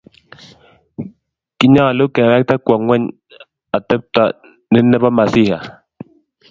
Kinyalu kewekte kwo ingweny atepto ni nebo masiha